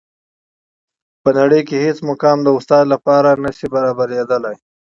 په نړۍ کي هیڅ مقام د استاد له مقام سره نسي برابري دلای.